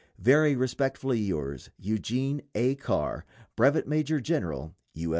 Very respectfully yours, EUGENE A. CARR, _Brevet Major General U. S. A.